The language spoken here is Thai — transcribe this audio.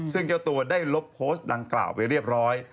ซึ่งเจ้าตัวได้ลบโพสต์ดังกล่าวไปเรียบร้อย